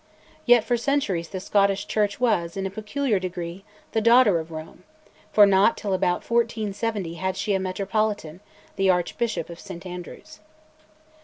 Yet for centuries the Scottish Church was, in a peculiar degree, "the daughter of Rome," for not till about 1470 had she a Metropolitan, the Archbishop of St Andrews.